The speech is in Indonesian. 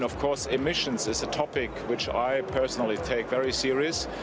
maksud saya emisi adalah topik yang saya ambil secara serius